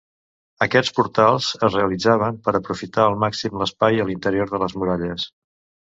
Aquests portals es realitzaven per aprofitar al màxim l'espai a l'interior de les muralles.